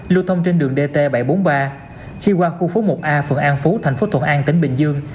lưu thông trên đường dt bảy trăm bốn mươi ba khi qua khu phố một a phường an phú thành phố thuận an tỉnh bình dương